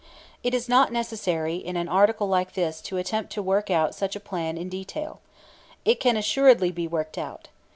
It is not necessary in an article like this to attempt to work out such a plan in detail. It can assuredly be worked out.